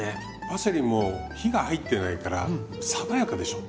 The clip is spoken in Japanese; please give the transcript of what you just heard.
パセリも火が入ってないから爽やかでしょ？